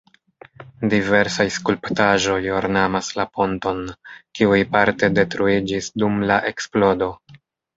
Diversaj skulptaĵoj ornamas la ponton, kiuj parte detruiĝis dum la eksplodo.